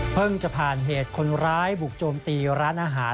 จะผ่านเหตุคนร้ายบุกโจมตีร้านอาหาร